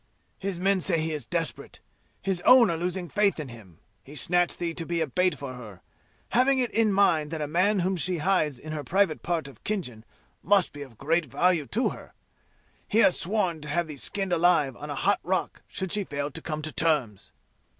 "His men say he is desperate. His own are losing faith in him. He snatched thee to be a bait for her, having it in mind that a man whom she hides in her private part of Khinjan must be of great value to her. He has sworn to have thee skinned alive on a hot rock should she fail to come to terms!"